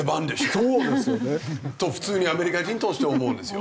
そうですよね。と普通にアメリカ人として思うんですよ。